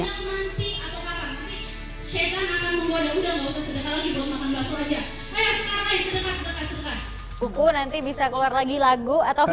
aku nanti atau kakak tapi saya akan menguadai udah gak usah sedekat lagi baru makan belasur aja